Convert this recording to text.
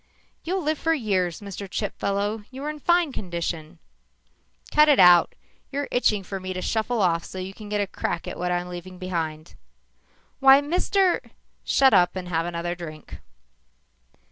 "You'll live for years, Mr. Chipfellow. You're in fine condition." "Cut it out. You're itching for me to shuffle off so you can get a crack at what I'm leaving behind." "Why, Mr. " "Shut up and have another drink."